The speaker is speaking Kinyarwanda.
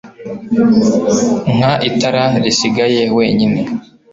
Nka itara risigaye wenyine